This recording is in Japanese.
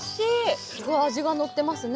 すごい味がのってますね。